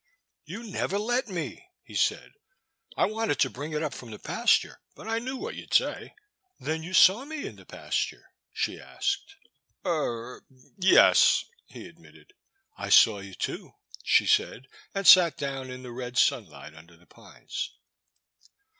You never let me, '' he said, I wanted to The Boys Sister. 241 bring it up from the pasttire, but I knew what you 'd say." Then you saw me in the pasture," she asked. " Er — er — ^yes," he admitted. '' I saw you too/' she said, and sat down in the red sunlight under the pines.